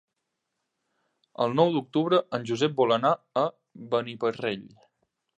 El nou d'octubre en Josep vol anar a Beniparrell.